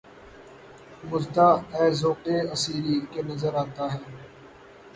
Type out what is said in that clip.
مُژدہ ، اے ذَوقِ اسیری! کہ نظر آتا ہے